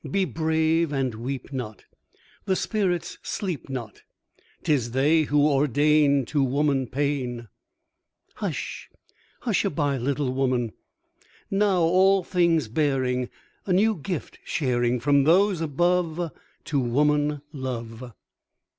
Be brave and weep not! The spirits sleep not; 'Tis they who ordain To woman, pain. Hush, hushaby, little woman! Now, all things bearing, A new gift sharing From those above To woman, love.